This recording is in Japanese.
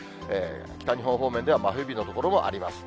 北日本方面では真冬日の所もあります。